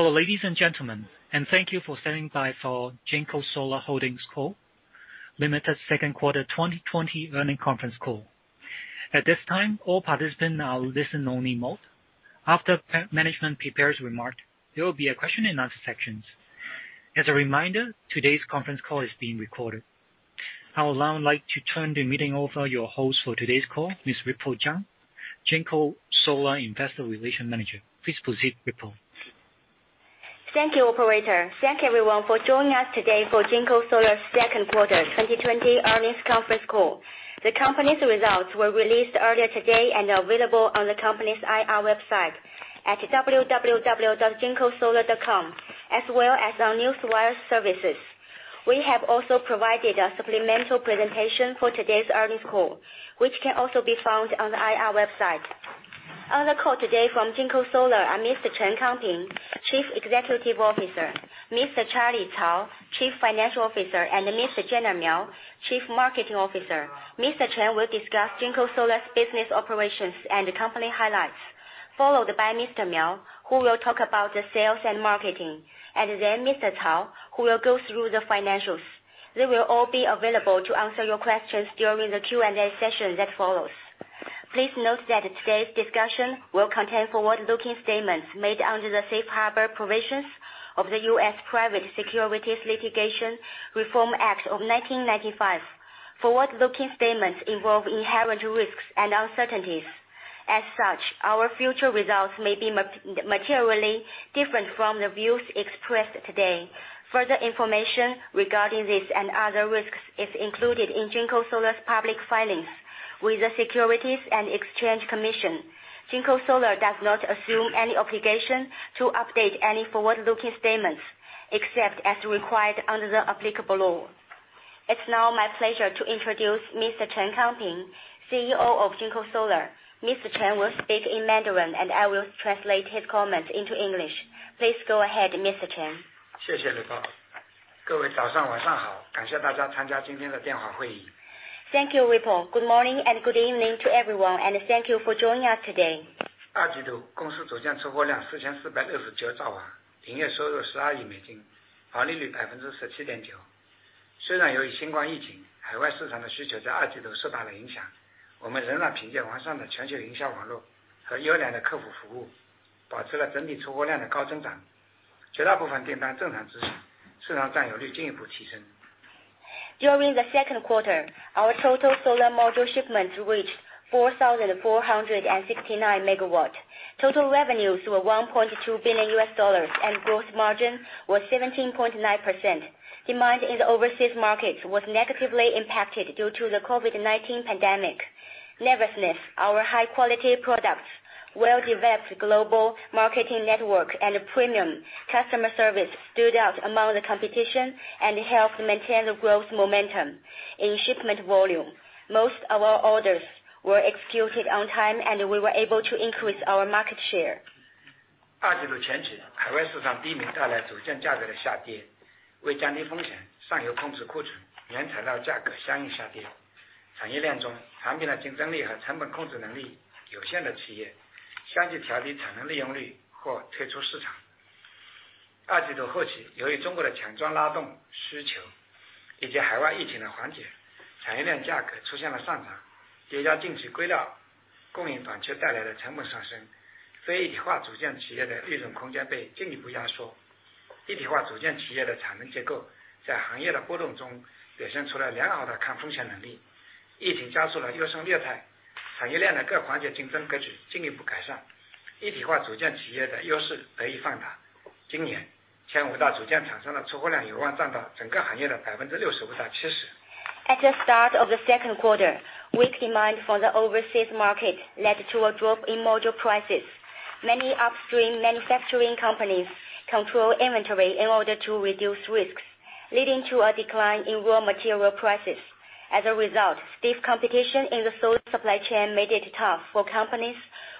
Hello, ladies and gentlemen, and thank you for standing by for JinkoSolar Holding Limited's second quarter 2020 earnings conference call. At this time, all participants are on listen-only mode. After management prepares remarks, there will be a question-and-answer section. As a reminder, today's conference call is being recorded. I would now like to turn the meeting over to your host for today's call, Ms. Ripple Zhang, JinkoSolar Investor Relations Manager. Please proceed, Ripple. Thank you, Operator. Thank everyone for joining us today for JinkoSolar's second quarter 2020 earnings conference call. The company's results were released earlier today and are available on the company's IR website at www.jinkosolar.com, as well as on Newswire Services. We have also provided a supplemental presentation for today's earnings call, which can also be found on the IR website. On the call today from JinkoSolar are Mr. Chen Kangping, Chief Executive Officer, Mr. Charlie Cao, Chief Financial Officer, and Mr. Gener Miao, Chief Marketing Officer. Mr. Chen will discuss JinkoSolar's business operations and company highlights, followed by Mr. Miao, who will talk about the sales and marketing, and then Mr. Cao, who will go through the financials. They will all be available to answer your questions during the Q&A session that follows. Please note that today's discussion will contain forward-looking statements made under the Safe Harbor provisions of the U.S. Private Securities Litigation Reform Act of 1995. Forward-looking statements involve inherent risks and uncertainties. As such, our future results may be materially different from the views expressed today. Further information regarding this and other risks is included in JinkoSolar's public filings with the Securities and Exchange Commission. JinkoSolar does not assume any obligation to update any forward-looking statements, except as required under the applicable law. It's now my pleasure to introduce Mr. Chen Kangping, CEO of JinkoSolar. Mr. Chen will speak in Mandarin, and I will translate his comments into English. Please go ahead, Mr. Chen. 谢谢 Ripple。各位早上好，感谢大家参加今天的电话会议。Thank you, Ripple. Good morning and good evening to everyone, and thank you for joining us today. normally, and market share was further improved. During the second quarter, our total solar module shipments reached 4,469 megawatts. Total revenues were $1.2 billion, and gross margin was 17.9%. Demand in the overseas markets was negatively impacted due to the COVID-19 pandemic. Nevertheless, our high-quality products, well-developed global marketing network, and premium customer service stood out among the competition and helped maintain the growth momentum in shipment volume. Most of our orders were executed on time, and we were able to increase our market share. At the start of the second quarter, weak demand for the overseas market led to a drop in module prices. Many upstream manufacturing companies controlled inventory in order to reduce risks, leading to a decline in raw material prices. As a result, stiff competition in the solar supply chain made it tough for companies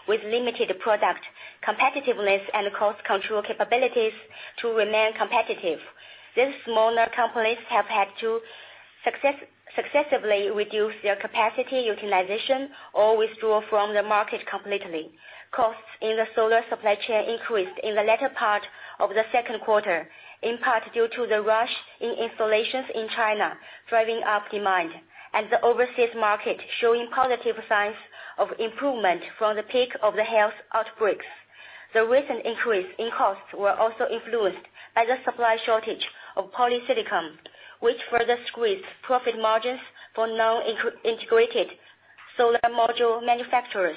with limited product competitiveness and cost control capabilities to remain competitive. These smaller companies have had to successively reduce their capacity utilization or withdraw from the market completely. Costs in the solar supply chain increased in the latter part of the second quarter, in part due to the rush in installations in China driving up demand, and the overseas market showing positive signs of improvement from the peak of the health outbreaks. The recent increase in costs was also influenced by the supply shortage of polysilicon, which further squeezed profit margins for non-integrated solar module manufacturers,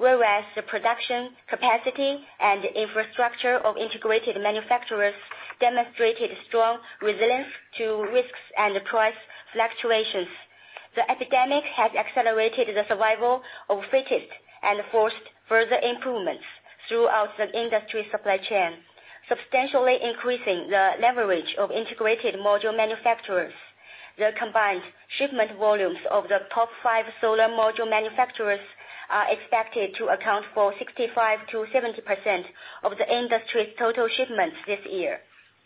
whereas the production capacity and infrastructure of integrated manufacturers demonstrated strong resilience to risks and price fluctuations. The epidemic has accelerated the survival of the fittest and forced further improvements throughout the industry supply chain, substantially increasing the leverage of integrated module manufacturers. The combined shipment volumes of the top five solar module manufacturers are expected to account for 65%-70% of the industry's total shipments this year.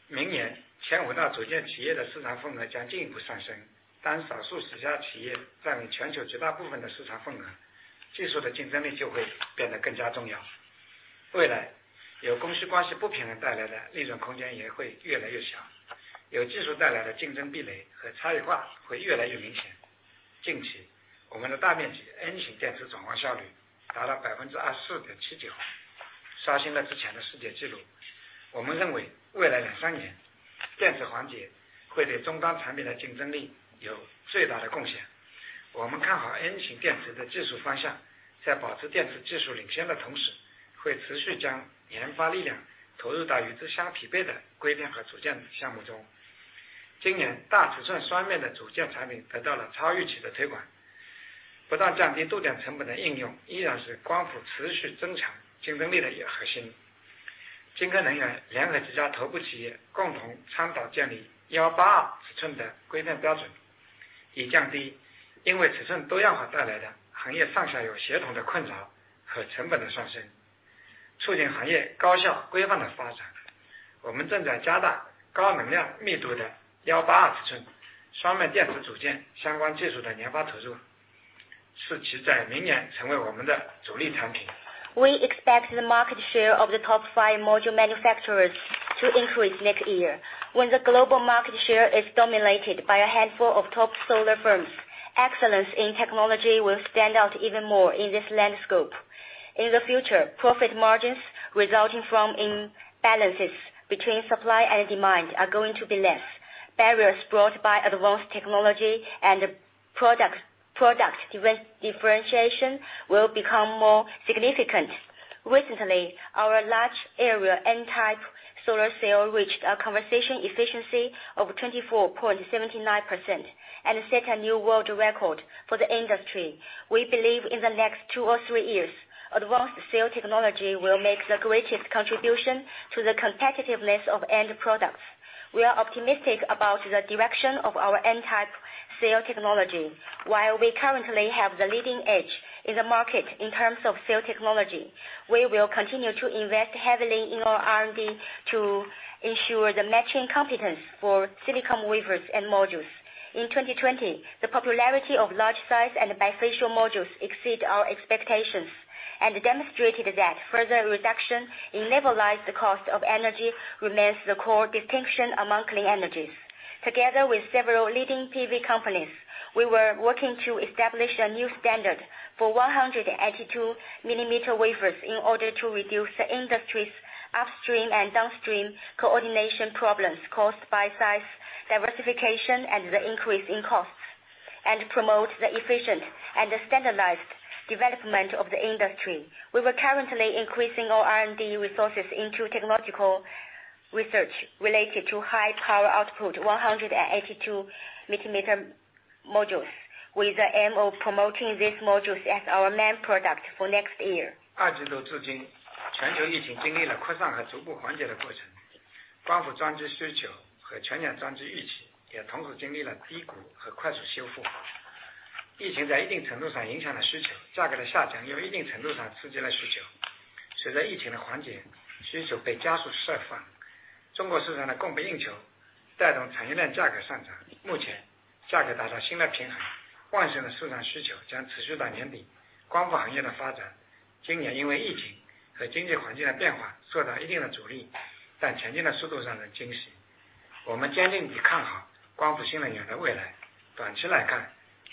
明年，前五大组件企业的市场份额将进一步上升。当少数几家企业占据全球绝大部分的市场份额，技术的竞争力就会变得更加重要。未来，由供需关系不平衡带来的利润空间也会越来越小，有技术带来的竞争壁垒和差异化会越来越明显。近期，我们的大面积 N 型电池转化效率达到 24.79%，刷新了之前的世界纪录。我们认为未来两三年，电池环节会对终端产品的竞争力有最大的贡献。我们看好 N 型电池的技术方向，在保持电池技术领先的同时，会持续将研发力量投入到与之相匹配的硅片和组件项目中。今年，大尺寸双面的组件产品得到了超预期的推广，不断降低度电成本的应用依然是光伏持续增强竞争力的一个核心。晶科能源联合几家头部企业共同倡导建立 182 尺寸的硅片标准，以降低因为尺寸多样化带来的行业上下游协同的困扰和成本的上升，促进行业高效规范的发展。我们正在加大高能量密度的 182 尺寸双面电池组件相关技术的研发投入，使其在明年成为我们的主力产品。We expect the market share of the top five module manufacturers to increase next year. When the global market share is dominated by a handful of top solar firms, excellence in technology will stand out even more in this landscape. In the future, profit margins resulting from imbalances between supply and demand are going to be less. Barriers brought by advanced technology and product differentiation will become more significant. Recently, our large area N-type solar cell reached a conversion efficiency of 24.79% and set a new world record for the industry. We believe in the next two or three years, advanced cell technology will make the greatest contribution to the competitiveness of end products. We are optimistic about the direction of our N-type cell technology. While we currently have the leading edge in the market in terms of cell technology, we will continue to invest heavily in our R&D to ensure the matching competence for silicon wafers and modules. In 2020, the popularity of large-size and bifacial modules exceeded our expectations and demonstrated that further reduction in levelized cost of energy remains the core distinction among clean energies. Together with several leading PV companies, we were working to establish a new standard for 182 millimeter wafers in order to reduce the industry's upstream and downstream coordination problems caused by size diversification and the increase in costs, and promote the efficient and standardized development of the industry. We were currently increasing our R&D resources into technological research related to high power output 182 millimeter modules, with the aim of promoting these modules as our main product for next year.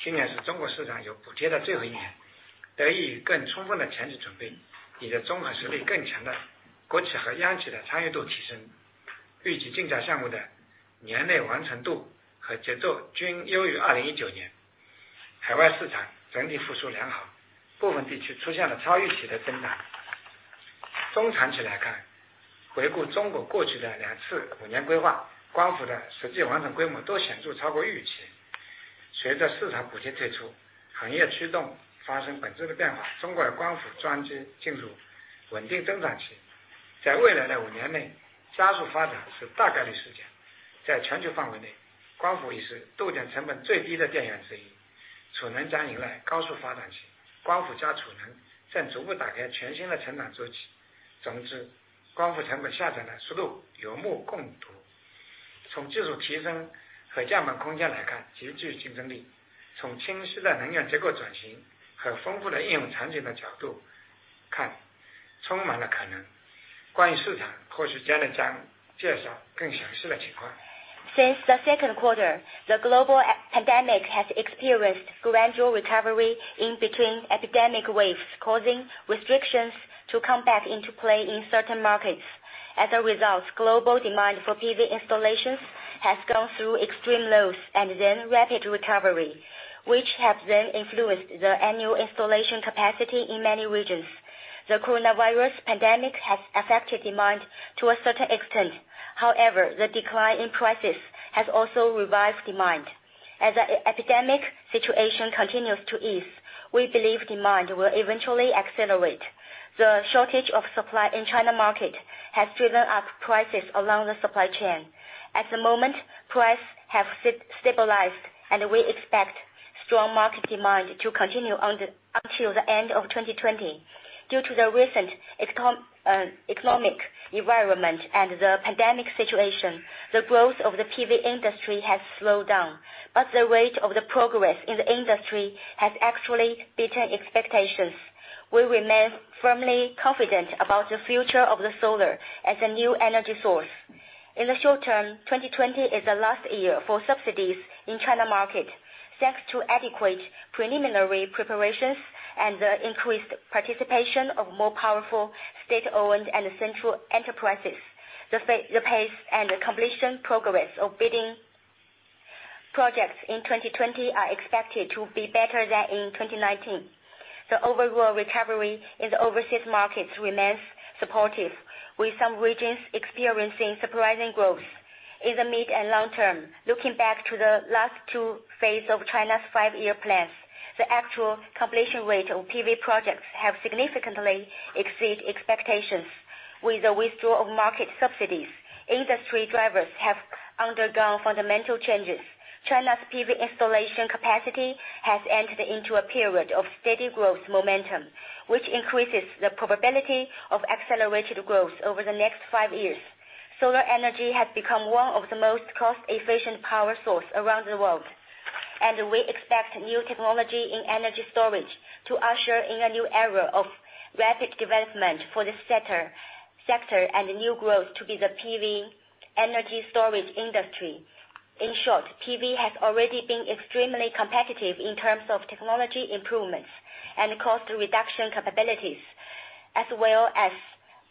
2019 Since the second quarter, the global pandemic has experienced gradual recovery in between epidemic waves, causing restrictions to come back into play in certain markets. As a result, global demand for PV installations has gone through extreme lows and then rapid recovery, which have then influenced the annual installation capacity in many regions. The coronavirus pandemic has affected demand to a certain extent. However, the decline in prices has also revived demand. As the epidemic situation continues to ease, we believe demand will eventually accelerate. The shortage of supply in China market has driven up prices along the supply chain. At the moment, prices have stabilized, and we expect strong market demand to continue until the end of 2020. Due to the recent economic environment and the pandemic situation, the growth of the PV industry has slowed down, but the rate of progress in the industry has actually beaten expectations. We remain firmly confident about the future of the solar as a new energy source. In the short term, 2020 is the last year for subsidies in China market. Thanks to adequate preliminary preparations and the increased participation of more powerful state-owned and central enterprises, the pace and completion progress of bidding projects in 2020 are expected to be better than in 2019. The overall recovery in the overseas markets remains supportive, with some regions experiencing surprising growth. In the mid and long term, looking back to the last two phases of China's five-year plans, the actual completion rate of PV projects has significantly exceeded expectations. With the withdrawal of market subsidies, industry drivers have undergone fundamental changes. China's PV installation capacity has entered into a period of steady growth momentum, which increases the probability of accelerated growth over the next five years. Solar energy has become one of the most cost-efficient power sources around the world, and we expect new technology in energy storage to usher in a new era of rapid development for this sector and new growth to be the PV energy storage industry. In short, PV has already been extremely competitive in terms of technology improvements and cost reduction capabilities, as well as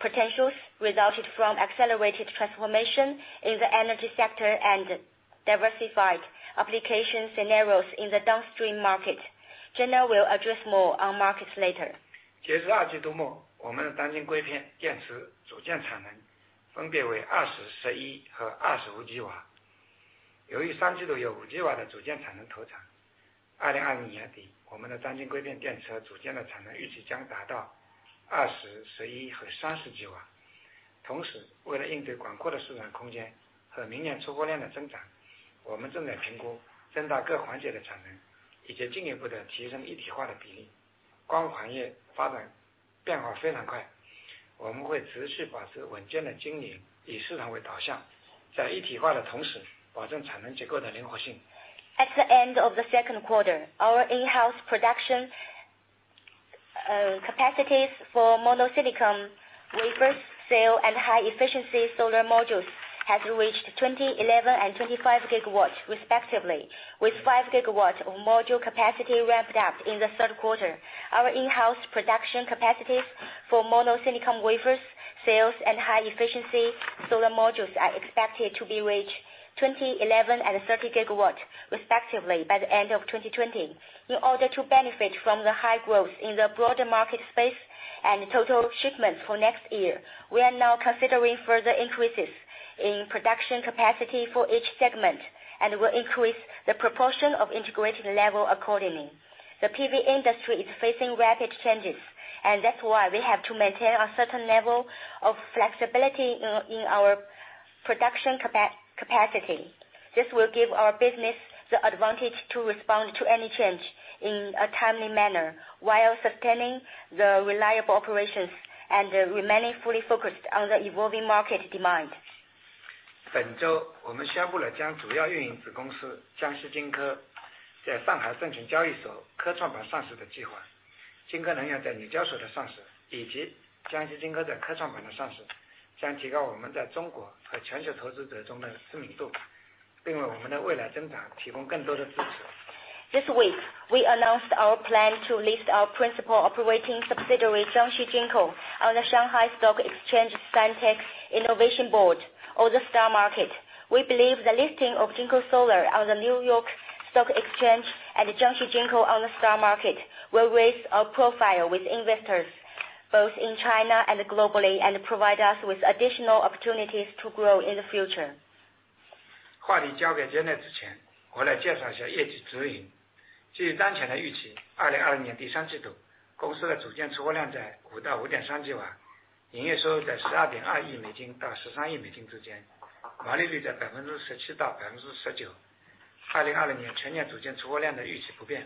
potentials resulting from accelerated transformation in the energy sector and diversified application scenarios in the downstream market. Gener will address more on markets later. 截至二季度末，我们的单晶硅片电池组件产能分别为 20、11 和25 吉瓦。由于上季度有 5 吉瓦的组件产能投产，2020 年底，我们的单晶硅片电池组件的产能预计将达到 20、11 和30 吉瓦。同时，为了应对广阔的市场空间和明年出货量的增长，我们正在评估增大各环节的产能，以及进一步提升一体化的比例。光伏行业发展变化非常快，我们会持续保持稳健的经营，以市场为导向，在一体化的同时保证产能结构的灵活性。At the end of the second quarter, our in-house production capacities for monocrystalline wafer, cell, and high-efficiency solar modules have reached 20, 11, and 25 gigawatts, respectively, with 5 gigawatts of module capacity ramped up in the third quarter. Our in-house production capacities for monocrystalline wafer cells and high-efficiency solar modules are expected to be reached 20, 11, and 30 gigawatts, respectively, by the end of 2020. In order to benefit from the high growth in the broader market space and total shipments for next year, we are now considering further increases in production capacity for each segment and will increase the proportion of integrating level accordingly. The PV industry is facing rapid changes, and that's why we have to maintain a certain level of flexibility in our production capacity. This will give our business the advantage to respond to any change in a timely manner while sustaining the reliable operations and remaining fully focused on the evolving market demand. 本周我们宣布了将主要运营子公司江西金科在上海证券交易所科创板上市的计划，金科能源在女教授的上市，以及江西金科在科创板的上市，将提高我们在中国和全球投资者中的知名度，令我们的未来增长提供更多的支持。This week, we announced our plan to list our principal operating subsidiary, Jiangxi Jinko, on the Shanghai Stock Exchange's STAR Innovation Board, or the STAR Market. We believe the listing of JinkoSolar on the New York Stock Exchange and Jiangxi Jinko on the STAR Market will raise our profile with investors both in China and globally and provide us with additional opportunities to grow in the future. GW, operating revenue $1.22 billion-$1.3 billion, gross margin 17%-19%. The full year 2020 module shipment expectation remains unchanged, 18-20 GW.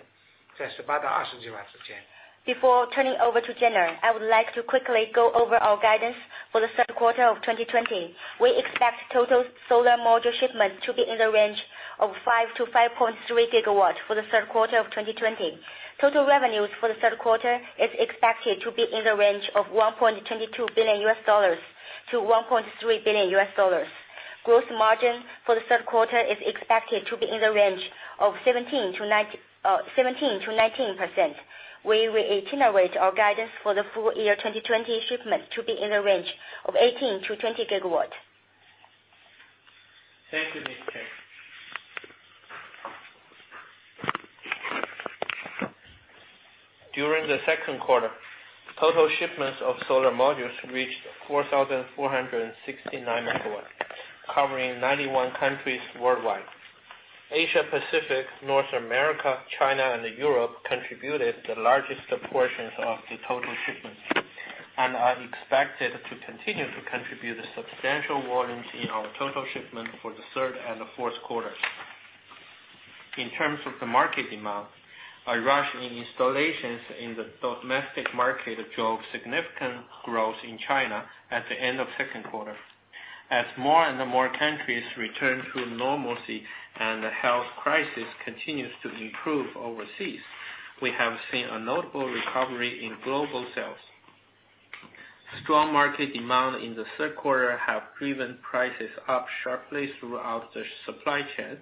Before turning over to Gener, I would like to quickly go over our guidance for the third quarter of 2020. We expect total solar module shipments to be in the range of five to 5.3 gigawatts for the third quarter of 2020. Total revenues for the third quarter are expected to be in the range of $1.22 billion-$1.3 billion. Gross margin for the third quarter is expected to be in the range of 17%-19%. We will iterate our guidance for the full year 2020 shipments to be in the range of 18 to 20 gigawatts. Thank you, Ms. Zhang. During the second quarter, total shipments of solar modules reached 4,469 megawatts, covering 91 countries worldwide. Asia Pacific, North America, China, and Europe contributed the largest portions of the total shipments and are expected to continue to contribute substantial volumes in our total shipments for the third and the fourth quarters. In terms of the market demand, a rush in installations in the domestic market drove significant growth in China at the end of the second quarter. As more and more countries return to normalcy and the health crisis continues to improve overseas, we have seen a notable recovery in global sales. Strong market demand in the third quarter has driven prices up sharply throughout the supply chain,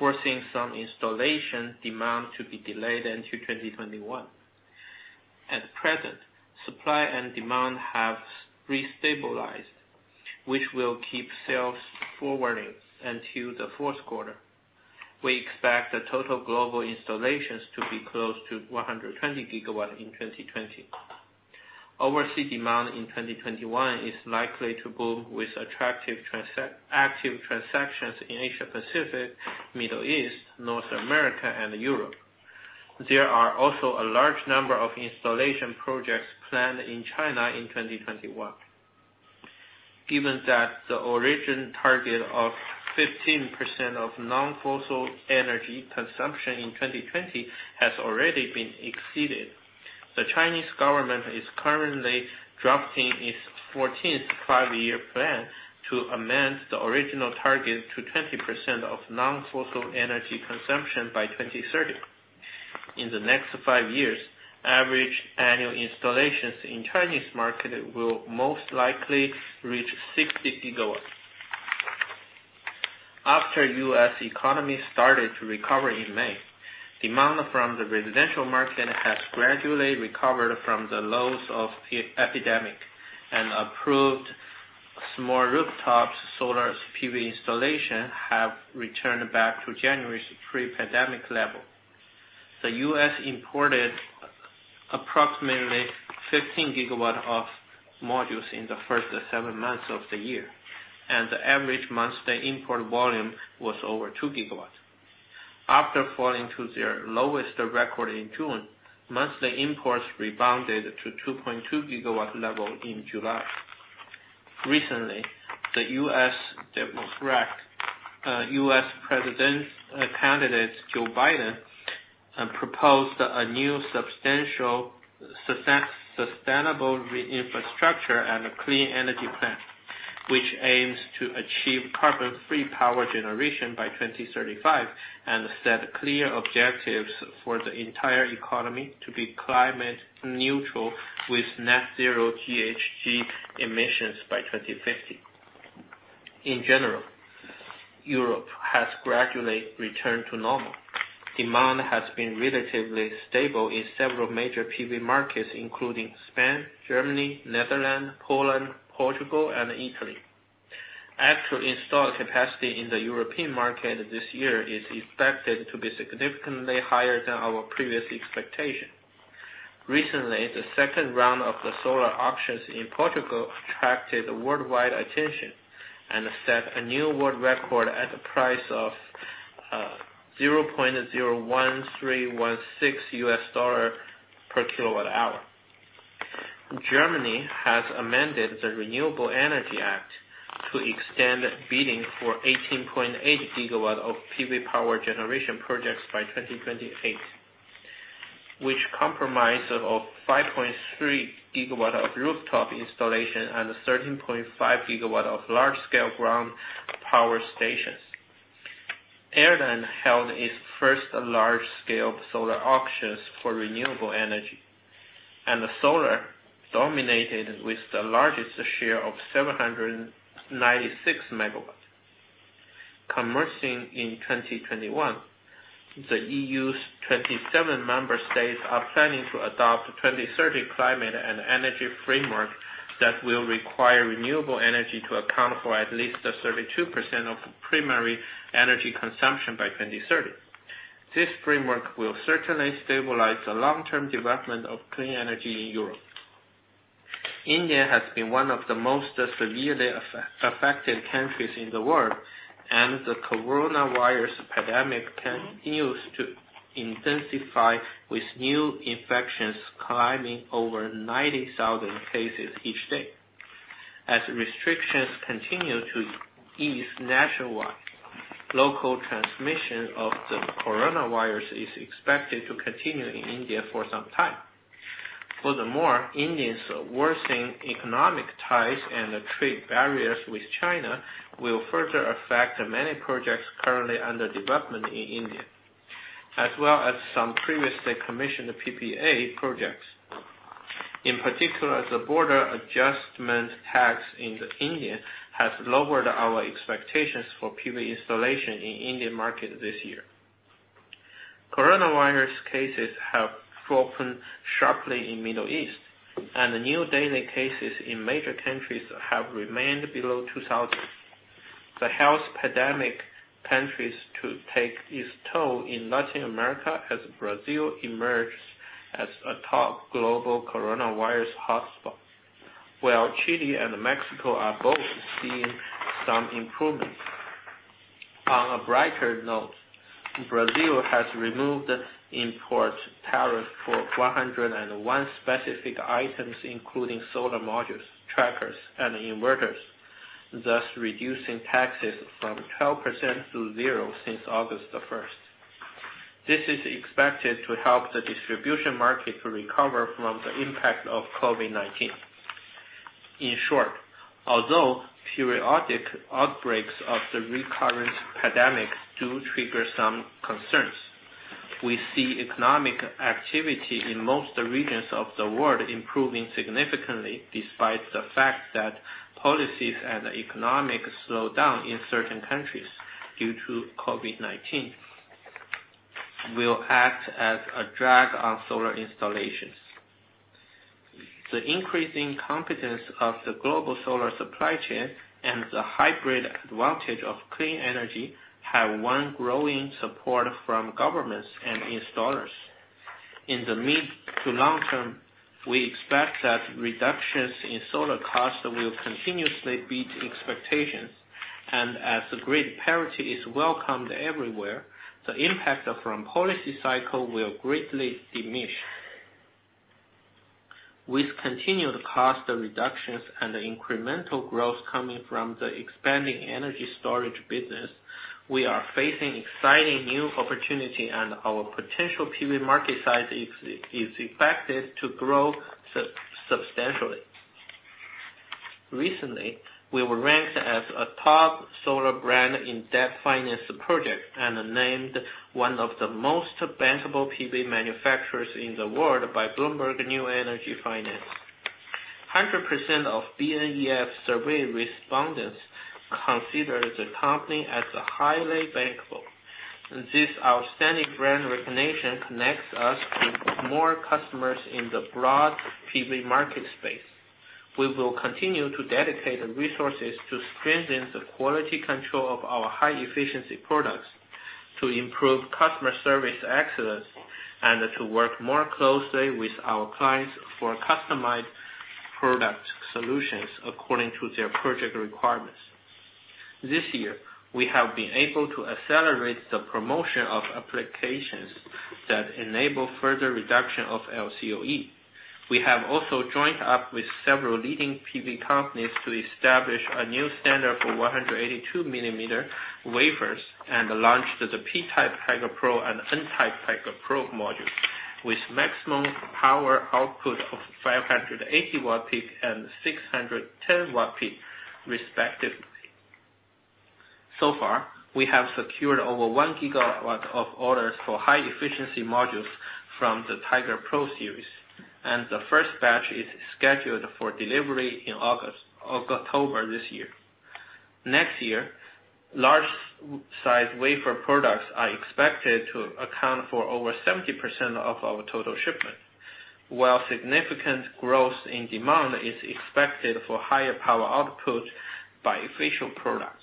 forcing some installation demand to be delayed into 2021. At present, supply and demand have re-stabilized, which will keep sales forwarding until the fourth quarter. We expect the total global installations to be close to 120 gigawatts in 2020. Overseas demand in 2021 is likely to boom with active transactions in Asia Pacific, Middle East, North America, and Europe. There are also a large number of installation projects planned in China in 2021. Given that the original target of 15% of non-fossil energy consumption in 2020 has already been exceeded, the Chinese government is currently drafting its 14th Five-Year Plan to amend the original target to 20% of non-fossil energy consumption by 2030. In the next five years, average annual installations in the Chinese market will most likely reach 60 gigawatts. After the U.S. economy started to recover in May, demand from the residential market has gradually recovered from the lows of the epidemic, and approved small rooftop solar PV installations have returned back to January's pre-pandemic level. The U.S. imported approximately 15 gigawatts of modules in the first seven months of the year, and the average monthly import volume was over 2 gigawatts. After falling to their lowest record in June, monthly imports rebounded to 2.2 gigawatts level in July. Recently, the U.S. presidential candidate, Joe Biden, proposed a new substantial sustainable infrastructure and a clean energy plan, which aims to achieve carbon-free power generation by 2035 and set clear objectives for the entire economy to be climate neutral with net zero GHG emissions by 2050. In general, Europe has gradually returned to normal. Demand has been relatively stable in several major PV markets, including Spain, Germany, Netherlands, Poland, Portugal, and Italy. Actual installed capacity in the European market this year is expected to be significantly higher than our previous expectation. Recently, the second round of the solar auctions in Portugal attracted worldwide attention and set a new world record at a price of $0.01316 per kilowatt hour. Germany has amended the Renewable Energy Act to extend bidding for 18.8 gigawatts of PV power generation projects by 2028, which comprises 5.3 gigawatts of rooftop installations and 13.5 gigawatts of large-scale ground power stations. Ireland held its first large-scale solar auctions for renewable energy, and the solar dominated with the largest share of 796 megawatts. Commencing in 2021, the EU's 27 member states are planning to adopt the 2030 climate and energy framework that will require renewable energy to account for at least 32% of primary energy consumption by 2030. This framework will certainly stabilize the long-term development of clean energy in Europe. India has been one of the most severely affected countries in the world, and the coronavirus pandemic continues to intensify with new infections climbing over 90,000 cases each day. As restrictions continue to ease nationwide, local transmission of the coronavirus is expected to continue in India for some time. Furthermore, India's worsening economic ties and trade barriers with China will further affect many projects currently under development in India, as well as some previously commissioned PPA projects. In particular, the border adjustment tax in India has lowered our expectations for PV installation in the Indian market this year. Coronavirus cases have fallen sharply in the Middle East, and new daily cases in major countries have remained below 2,000. The health pandemic continues to take its toll in Latin America as Brazil emerges as a top global coronavirus hotspot, while Chile and Mexico are both seeing some improvements. On a brighter note, Brazil has removed import tariffs for 101 specific items, including solar modules, trackers, and inverters, thus reducing taxes from 12% to 0% since August 1st. This is expected to help the distribution market to recover from the impact of COVID-19. In short, although periodic outbreaks of the recurrent pandemic do trigger some concerns, we see economic activity in most regions of the world improving significantly despite the fact that policies and economic slowdowns in certain countries due to COVID-19 will act as a drag on solar installations. The increasing competence of the global solar supply chain and the hybrid advantage of clean energy have won growing support from governments and installers. In the mid to long term, we expect that reductions in solar costs will continuously beat expectations, and as great parity is welcomed everywhere, the impact from policy cycles will greatly diminish. With continued cost reductions and incremental growth coming from the expanding energy storage business, we are facing exciting new opportunities, and our potential PV market size is expected to grow substantially. Recently, we were ranked as a top solar brand in debt finance projects and named one of the most bankable PV manufacturers in the world by Bloomberg New Energy Finance. 100% of BNEF survey respondents consider the company as highly bankable. This outstanding brand recognition connects us to more customers in the broad PV market space. We will continue to dedicate resources to strengthen the quality control of our high-efficiency products, to improve customer service excellence, and to work more closely with our clients for customized product solutions according to their project requirements. This year, we have been able to accelerate the promotion of applications that enable further reduction of LCOE. We have also joined up with several leading PV companies to establish a new standard for 182 mm wafers and launched the P-type Tiger Pro and N-type Tiger Pro modules with maximum power output of 580 watt-peak and 610 watt-peak, respectively. So far, we have secured over 1 gigawatt of orders for high-efficiency modules from the Tiger Pro series, and the first batch is scheduled for delivery in October this year. Next year, large-size wafer products are expected to account for over 70% of our total shipments, while significant growth in demand is expected for higher power output bifacial products.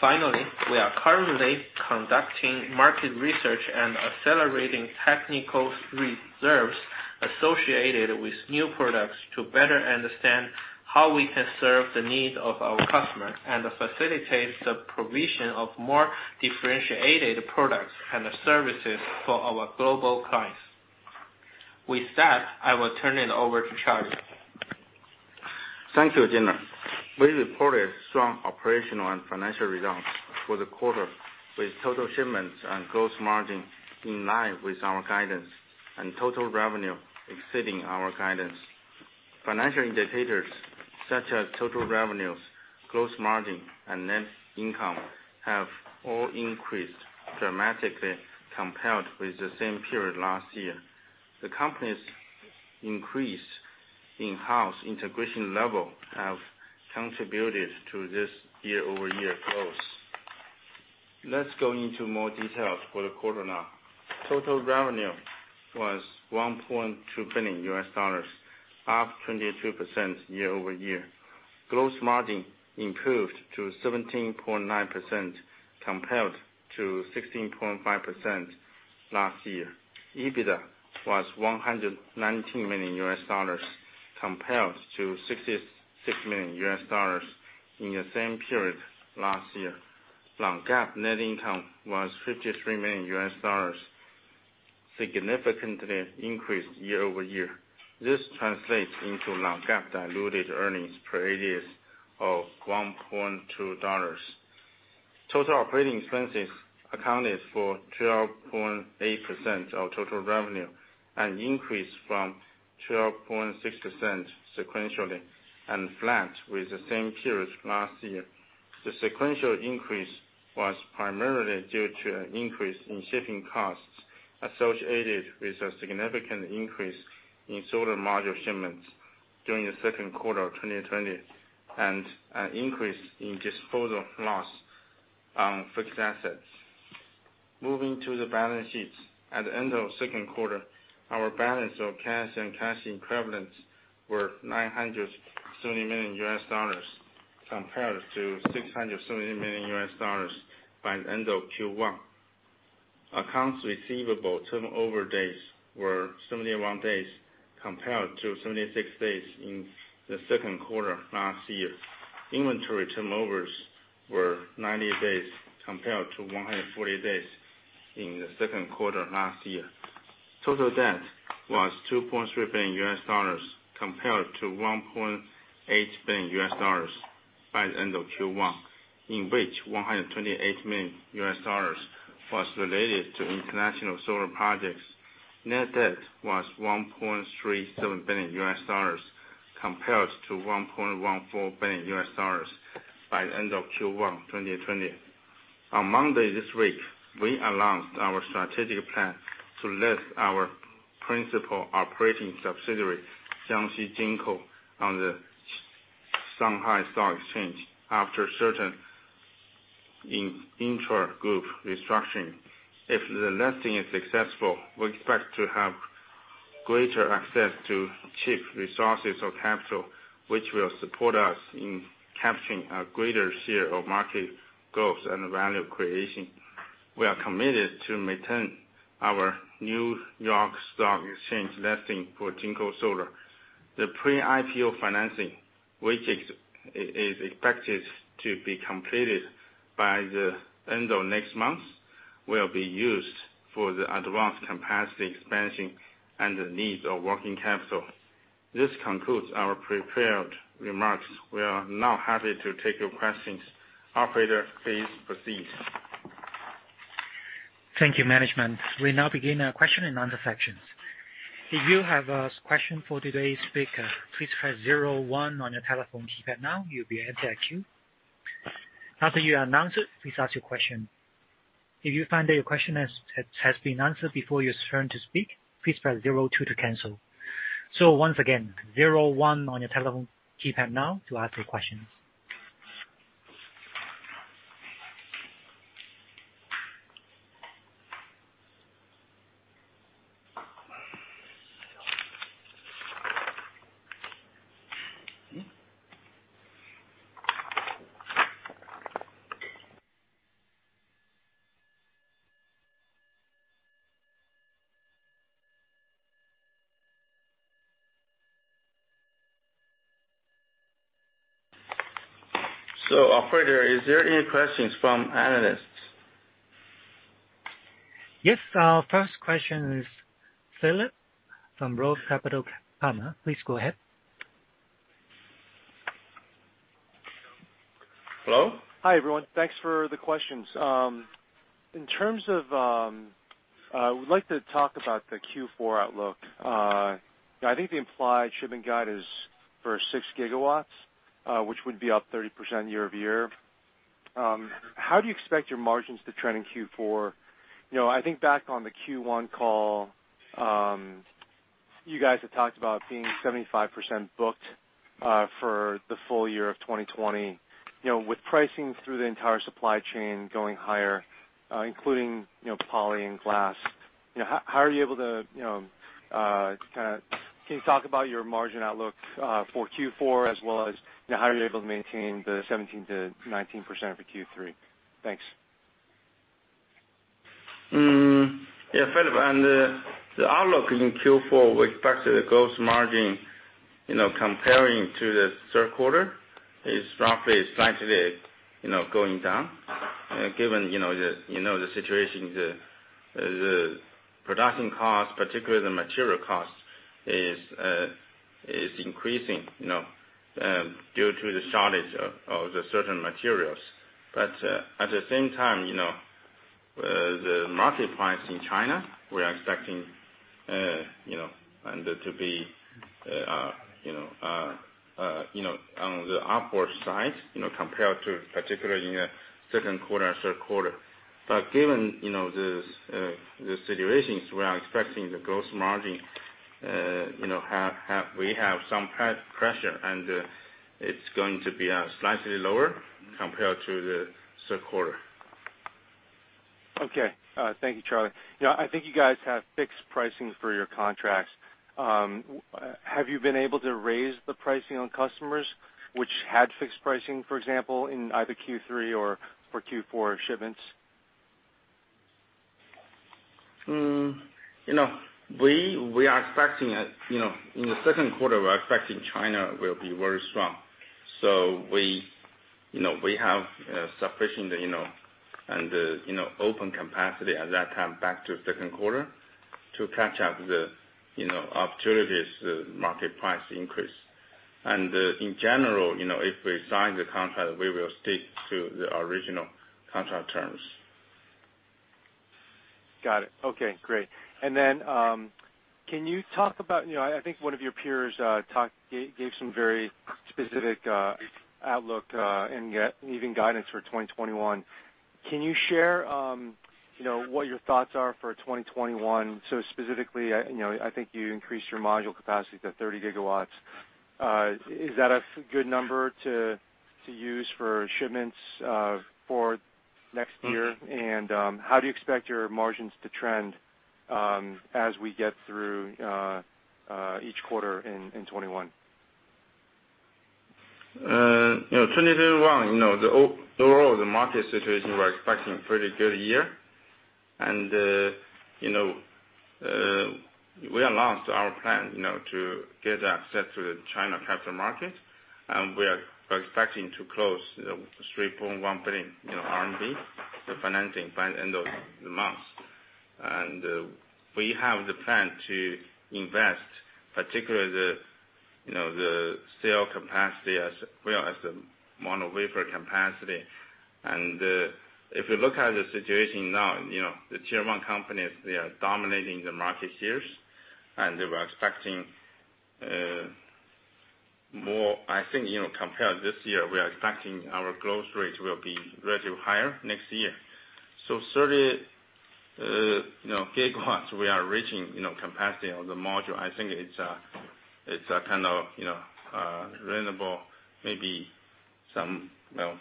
Finally, we are currently conducting market research and accelerating technical reserves associated with new products to better understand how we can serve the needs of our customers and facilitate the provision of more differentiated products and services for our global clients. With that, I will turn it over to Charlie. Thank you, Gener. We reported strong operational and financial results for the quarter, with total shipments and gross margin in line with our guidance and total revenue exceeding our guidance. Financial indicators such as total revenues, gross margin, and net income have all increased dramatically compared with the same period last year. The company's increase in-house integration level has contributed to this year-over-year growth. Let's go into more details for the quarter now. Total revenue was $1.2 billion, up 22% year-over-year. Gross margin improved to 17.9% compared to 16.5% last year. EBITDA was $119 million, compared to $66 million in the same period last year. Non-GAAP net income was $53 million, significantly increased year-over-year. This translates into Non-GAAP diluted earnings per share of $1.2. Total operating expenses accounted for 12.8% of total revenue and increased from 12.6% sequentially and flat with the same period last year. The sequential increase was primarily due to an increase in shipping costs associated with a significant increase in solar module shipments during the second quarter of 2020 and an increase in disposal loss on fixed assets. Moving to the balance sheets, at the end of the second quarter, our balance of cash and cash equivalents were $970 million compared to $670 million by the end of Q1. Accounts receivable turnover days were 71 days compared to 76 days in the second quarter last year. Inventory turnovers were 90 days compared to 140 days in the second quarter last year. Total debt was $2.3 billion compared to $1.8 billion by the end of Q1, in which $128 million was related to international solar projects. Net debt was $1.37 billion compared to $1.14 billion by the end of Q1 2020. On Monday this week, we announced our strategic plan to list our principal operating subsidiary, Jiangxi Jinko, on the Shanghai Stock Exchange after certain intra-group restructuring. If the listing is successful, we expect to have greater access to cheap resources or capital, which will support us in capturing a greater share of market growth and value creation. We are committed to maintain our New York Stock Exchange listing for JinkoSolar. The pre-IPO financing, which is expected to be completed by the end of next month, will be used for the advanced capacity expansion and the needs of working capital. This concludes our prepared remarks. We are now happy to take your questions. Operator, please proceed. Thank you, management. We now begin our question and answer sections. If you have a question for today's speaker, please press 01 on your telephone keypad now. You'll be entered at queue. After you are announced, please ask your question. If you find that your question has been answered before your turn to speak, please press 02 to cancel. So once again, 01 on your telephone keypad now to ask your questions. Operator, is there any questions from analysts? Yes. Our first question is Philip from Roth Capital Partners. Please go ahead. Hello? Hi, everyone. Thanks for the questions. In terms of, we'd like to talk about the Q4 outlook. I think the implied shipping guide is for 6 gigawatts, which would be up 30% year-over-year. How do you expect your margins to trend in Q4? I think back on the Q1 call, you guys had talked about being 75% booked for the full year of 2020, with pricing through the entire supply chain going higher, including poly and glass. How are you able to kind of can you talk about your margin outlook for Q4, as well as how are you able to maintain the 17%-19% for Q3? Thanks. Yeah, Philip, and the outlook in Q4 with respect to the gross margin comparing to the third quarter is roughly slightly going down, given the situation. The production cost, particularly the material cost, is increasing due to the shortage of certain materials. But at the same time, the market price in China, we are expecting to be on the upward side compared to, particularly in the second quarter and third quarter. But given the situations, we are expecting the gross margin. We have some pressure, and it's going to be slightly lower compared to the third quarter. Okay. Thank you, Charlie. I think you guys have fixed pricing for your contracts. Have you been able to raise the pricing on customers which had fixed pricing, for example, in either Q3 or for Q4 shipments? We are expecting in the second quarter. We're expecting China will be very strong, so we have sufficient and open capacity at that time back to second quarter to catch up the opportunities, the market price increase, and in general, if we sign the contract, we will stick to the original contract terms. Got it. Okay. Great. And then can you talk about? I think one of your peers gave some very specific outlook and even guidance for 2021. Can you share what your thoughts are for 2021? So specifically, I think you increased your module capacity to 30 gigawatts. Is that a good number to use for shipments for next year? And how do you expect your margins to trend as we get through each quarter in 2021? 2021, overall, the market situation, we're expecting a pretty good year. And we announced our plan to get access to the China capital market, and we are expecting to close 3.1 billion RMB, the financing by the end of the month. And we have the plan to invest, particularly the cell capacity as well as the mono wafer capacity. And if you look at the situation now, the Tier 1 companies, they are dominating the market here, and they were expecting more. I think compared this year, we are expecting our growth rate will be relatively higher next year. So 30 gigawatts, we are reaching capacity of the module. I think it's a kind of reasonable, maybe some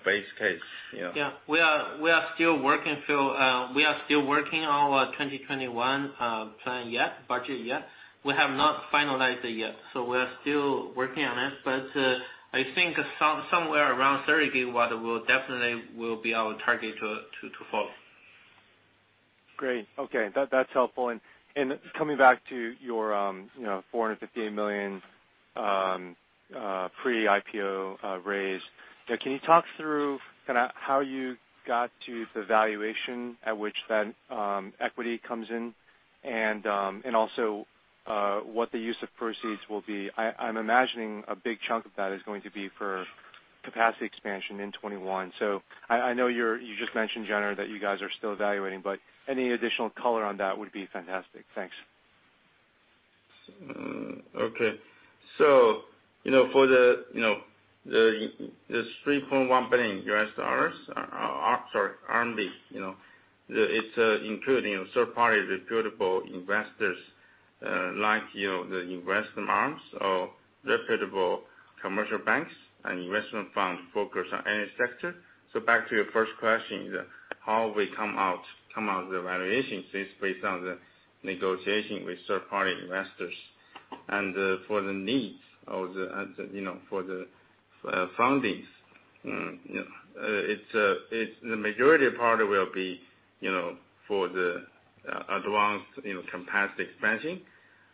base case. Yeah. We are still working, Phil. We are still working on our 2021 plan yet, budget yet. We have not finalized it yet. So we are still working on it. But I think somewhere around 30 gigawatt will definitely be our target to follow. Great. Okay. That's helpful. And coming back to your $458 million pre-IPO raise, can you talk through kind of how you got to the valuation at which that equity comes in and also what the use of proceeds will be? I'm imagining a big chunk of that is going to be for capacity expansion in 2021. So I know you just mentioned, Gener, that you guys are still evaluating, but any additional color on that would be fantastic. Thanks. Okay. So for the RMB 3.1 billion, it's including third-party reputable investors like the investment arms or reputable commercial banks and investment funds focused on any sector. So back to your first question, how we come out of the valuation is based on the negotiation with third-party investors. And for the needs for the funding, the majority part will be for the advanced capacity expansion.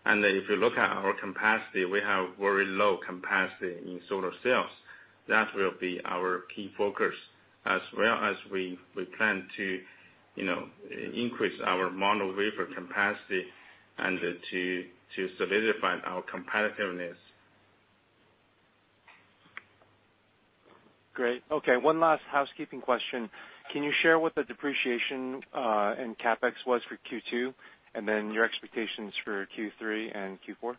And if you look at our capacity, we have very low capacity in solar cells. That will be our key focus, as well as we plan to increase our mono wafer capacity and to solidify our competitiveness. Great. Okay. One last housekeeping question. Can you share what the depreciation and CapEx was for Q2 and then your expectations for Q3 and Q4?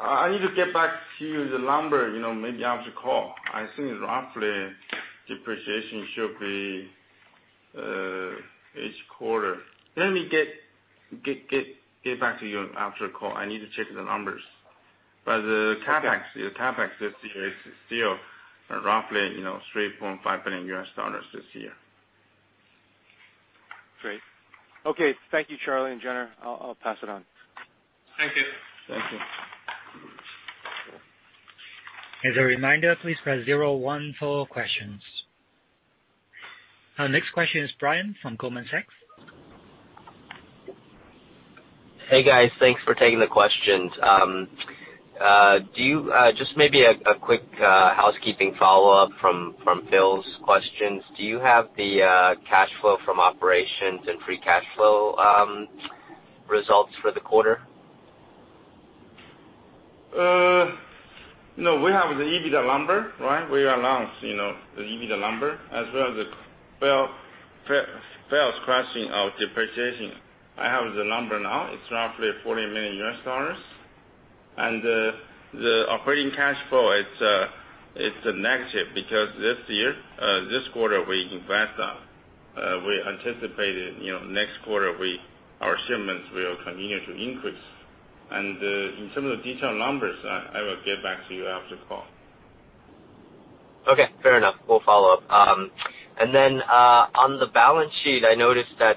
I need to get back to you the number maybe after call. I think roughly depreciation should be each quarter. Let me get back to you after call. I need to check the numbers. But the CapEx this year is still roughly $3.5 billion this year. Great. Okay. Thank you, Charlie and Gener. I'll pass it on. Thank you. Thank you. As a reminder, please press 01 for questions. Our next question is Brian from Goldman Sachs. Hey, guys. Thanks for taking the questions. Just maybe a quick housekeeping follow-up from Phil's questions. Do you have the cash flow from operations and free cash flow results for the quarter? No. We have the EBITDA number, right? We announced the EBITDA number as well as Phil's question of depreciation. I have the number now. It's roughly $40 million. And the operating cash flow, it's negative because this year, this quarter, we invested. We anticipated next quarter, our shipments will continue to increase. And in terms of detailed numbers, I will get back to you after call. Okay. Fair enough. We'll follow up. And then on the balance sheet, I noticed that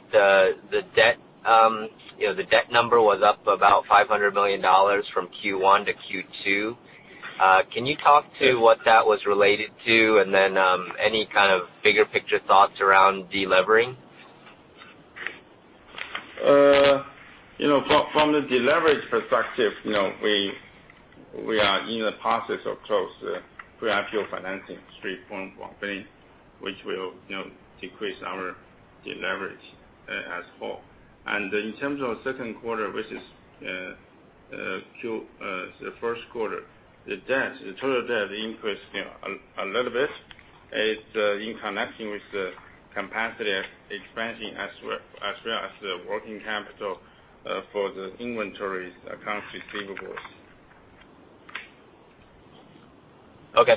the debt number was up about $500 million from Q1 to Q2. Can you talk to what that was related to and then any kind of bigger picture thoughts around delivering? From the delivery perspective, we are in the process of closing pre-IPO financing, CNY 3.1 billion, which will decrease our delivery as a whole. In terms of second quarter, which is the first quarter, the total debt increased a little bit. It's in connection with the capacity expansion as well as the working capital for the inventory accounts receivables. Okay.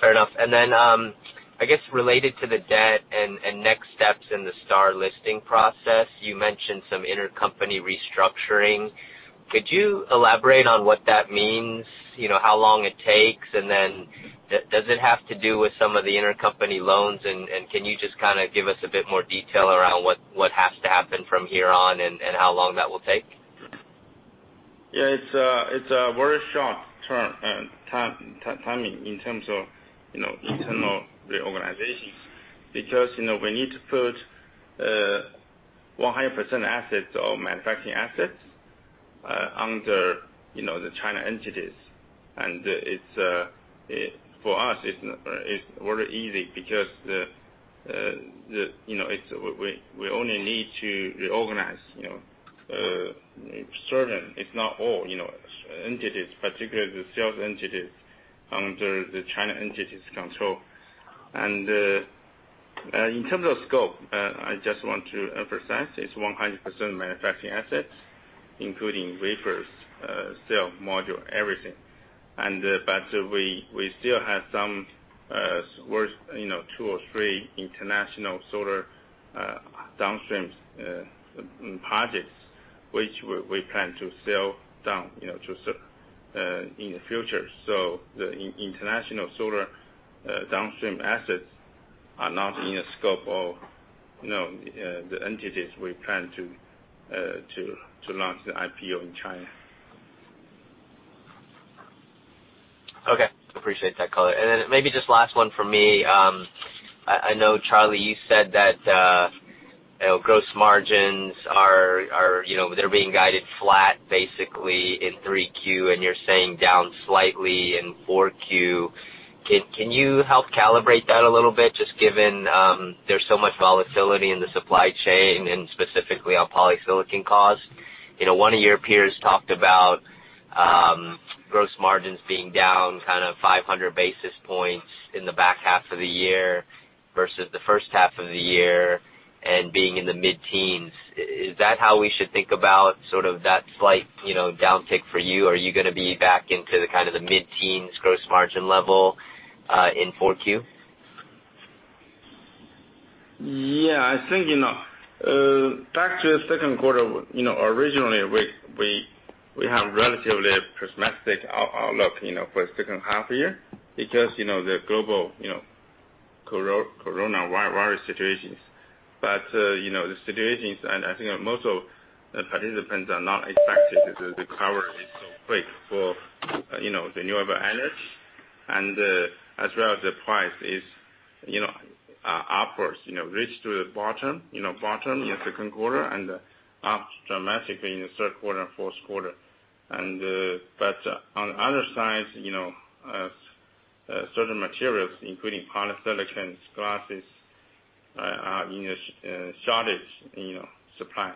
Fair enough. And then I guess related to the debt and next steps in the STAR listing process, you mentioned some intercompany restructuring. Could you elaborate on what that means, how long it takes, and then does it have to do with some of the intercompany loans? And can you just kind of give us a bit more detail around what has to happen from here on and how long that will take? Yeah. It's a very short timing in terms of internal reorganizations because we need to put 100% assets or manufacturing assets under the China entities, and for us, it's very easy because we only need to reorganize certain if not all entities, particularly the sales entities under the China entities control, and in terms of scope, I just want to emphasize it's 100% manufacturing assets, including wafers, solar module, everything, but we still have some two or three international solar downstream projects which we plan to sell down in the future, so the international solar downstream assets are not in the scope of the entities we plan to launch the IPO in China. Okay. Appreciate that, Coller. And then maybe just last one from me. I know, Charlie, you said that gross margins, they're being guided flat basically in 3Q, and you're saying down slightly in 4Q. Can you help calibrate that a little bit just given there's so much volatility in the supply chain and specifically on polysilicon costs? One of your peers talked about gross margins being down kind of 500 basis points in the back half of the year versus the first half of the year and being in the mid-teens. Is that how we should think about sort of that slight downtick for you? Are you going to be back into kind of the mid-teens gross margin level in 4Q? Yeah. I think back to the second quarter, originally, we have relatively pessimistic outlook for the second half of the year because of the global coronavirus situation. But the situations, and I think most of the participants are not expecting the recovery is so quick for renewable energy. And as well, the price is upwards, reached the bottom in the second quarter and up dramatically in the third quarter and fourth quarter. But on the other side, certain materials, including polysilicon, glasses, are in short supply,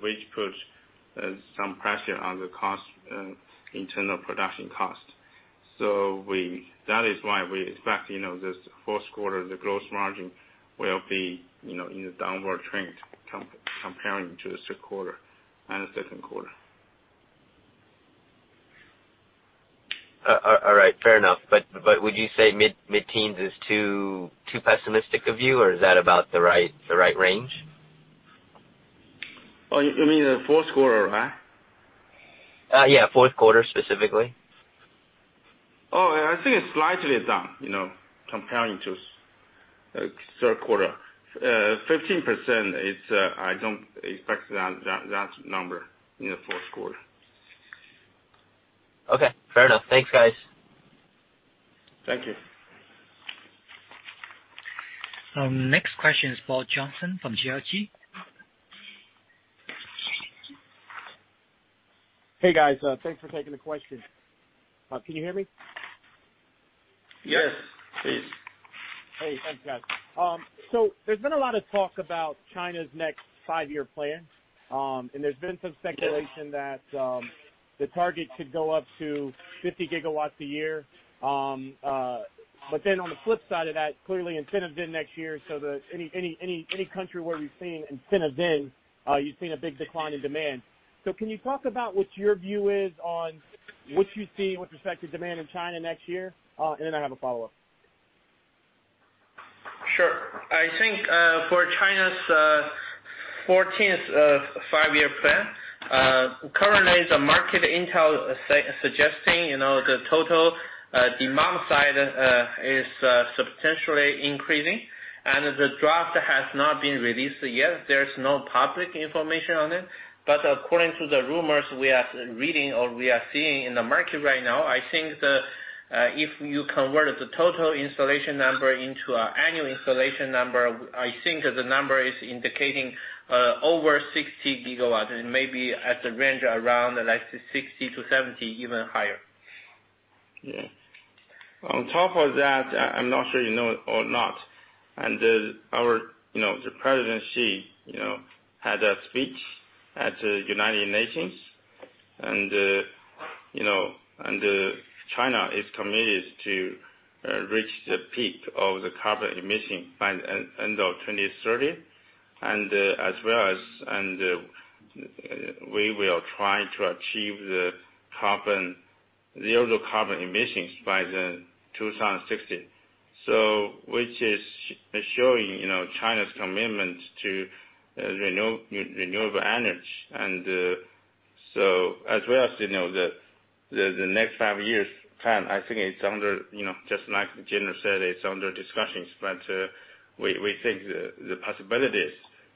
which puts some pressure on the internal production cost. So that is why we expect this fourth quarter, the gross margin will be in the downward trend comparing to the second quarter and the third quarter. All right. Fair enough. But would you say mid-teens is too pessimistic of you, or is that about the right range? You mean the fourth quarter, right? Yeah. Fourth quarter specifically. Oh, I think it's slightly down comparing to the third quarter. 15%, I don't expect that number in the fourth quarter. Okay. Fair enough. Thanks, guys. Thank you. Next question is Paul Johnson from GLG. Hey, guys. Thanks for taking the question. Can you hear me? Yes. Yes, please. Hey. Thanks, guys, so there's been a lot of talk about China's next Five-Year Plan, and there's been some speculation that the target could go up to 50 gigawatts a year, but then on the flip side of that, clearly, incentives end next year, so any country where we've seen incentives end, you've seen a big decline in demand, so can you talk about what your view is on what you see with respect to demand in China next year, and then I have a follow-up. Sure. I think for China's 14th Five-Year Plan, currently, the market intel is suggesting the total demand side is substantially increasing, and the draft has not been released yet. There's no public information on it. But according to the rumors we are reading or we are seeing in the market right now, I think if you convert the total installation number into annual installation number, I think the number is indicating over 60 gigawatts. It may be at the range around 60-70, even higher. Yeah. On top of that, I'm not sure you know or not, and the President had a speech at the United Nations, and China is committed to reach the peak of the carbon emission by the end of 2030, as well as we will try to achieve zero carbon emissions by 2060, which is showing China's commitment to renewable energy. So as well as the next five-year plan, I think it's under, just like Gener said, it's under discussions. But we think the possibilities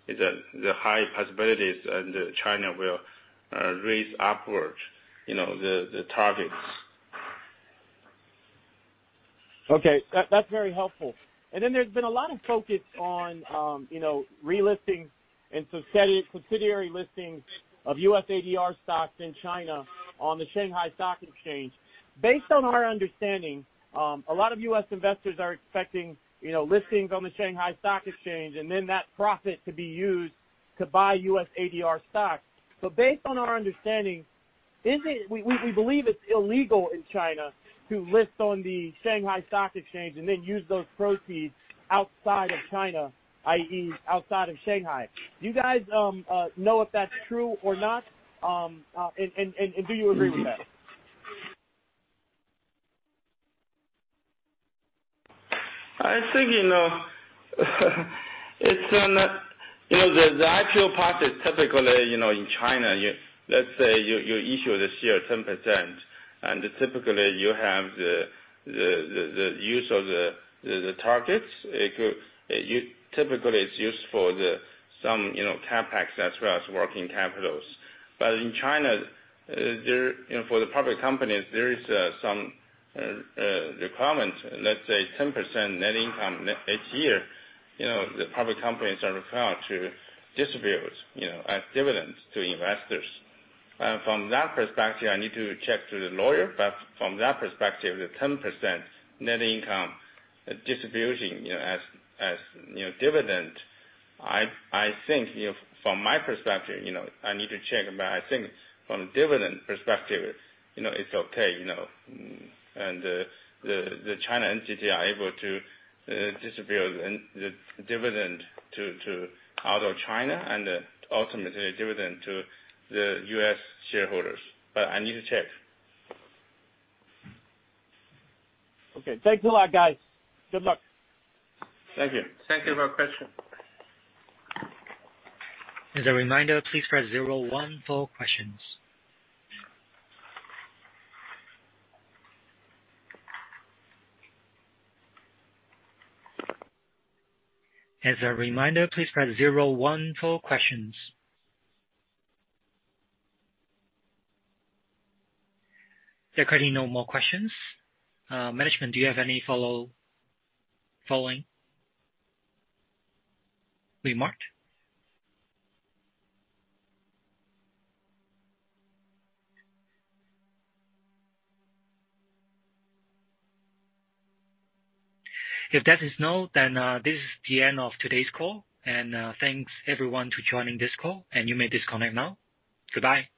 is the high possibilities and China will raise upward the targets. Okay. That's very helpful, and then there's been a lot of focus on relistings and subsidiary listings of US ADR stocks in China on the Shanghai Stock Exchange. Based on our understanding, a lot of US investors are expecting listings on the Shanghai Stock Exchange and then that profit to be used to buy US ADR stocks, but based on our understanding, we believe it's illegal in China to list on the Shanghai Stock Exchange and then use those proceeds outside of China, i.e., outside of Shanghai. Do you guys know if that's true or not, and do you agree with that? I think the IPO part is typically in China. Let's say you issue this year 10%, and typically, you have the use of proceeds. Typically, it's used for some CapEx as well as working capital. But in China, for the public companies, there is some requirement, let's say 10% net income each year. The public companies are required to distribute as dividends to investors. From that perspective, I need to check with the lawyer. From that perspective, the 10% net income distribution as dividend, I think from my perspective, I need to check. From the dividend perspective, it's okay. The Chinese entity is able to distribute the dividend out of China and ultimately dividend to the U.S. shareholders. I need to check. Okay. Thanks a lot, guys. Good luck. Thank you. Thank you for your question. As a reminder, please press 01 for questions. There are currently no more questions. Management, do you have any follow-up remark? If not, then this is the end of today's call, and thanks everyone for joining this call, and you may disconnect now. Goodbye.